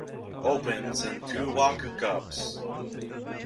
Opens and two Walker Cups.